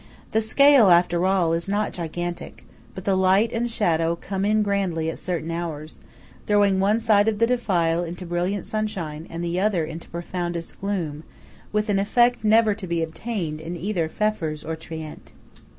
The scale, after all, is not gigantic; but the light and shadow come in grandly at certain hours, throwing one side of the defile into brilliant sunshine and the other into profoundest gloom, with an effect never to be obtained in either Pfeffers or Trient.